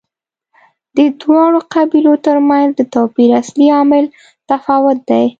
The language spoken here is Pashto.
د دواړو قبیلو ترمنځ د توپیر اصلي عامل تفاوت دی.